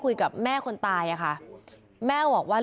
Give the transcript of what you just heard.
พุ่งเข้ามาแล้วกับแม่แค่สองคน